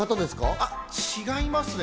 あっ、違いますね。